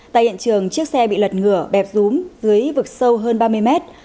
tại hiện trường chiếc xe bị lật ngửa bẹp rúm dưới vực sâu hơn ba mươi mét